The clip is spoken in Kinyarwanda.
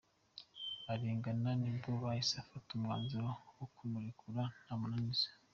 arengana nibwo bahise bafata umwanzuro wo kumurekura ntamananiza.